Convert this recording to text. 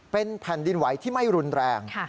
เป็นแผ่นดินไหวที่ไม่รุนแรง